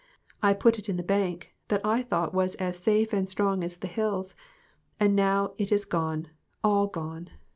I put it in the bank, that I thought was as safe and strong as the hills. And now it is gone all gone!